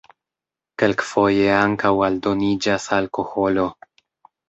Kelkfoje ankaŭ aldoniĝas alkoholo.